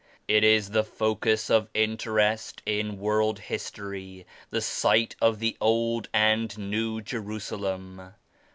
It is the focus of interest in world history, the site of the Old and New Jerusalem.